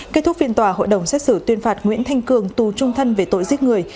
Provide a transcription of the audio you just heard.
kết thúc phiên tòa hội đồng xét xử tuyên phạt nguyễn thanh cường tù trung thân về tội giết người